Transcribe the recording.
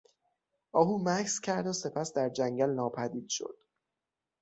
آهو مکث کرد و سپس در جنگل ناپدید شد.